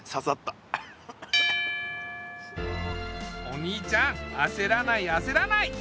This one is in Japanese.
お兄ちゃんあせらないあせらない。